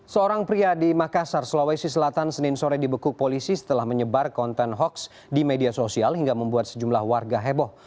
seorang pria di makassar sulawesi selatan senin sore dibekuk polisi setelah menyebar konten hoax di media sosial hingga membuat sejumlah warga heboh